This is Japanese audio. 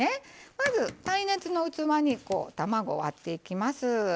まず耐熱の器に卵を割っていきます。